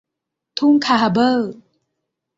ทุ่งคาฮาเบอร์